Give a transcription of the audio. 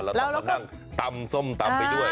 เราต้องมานั่งตำส้มตำไปด้วย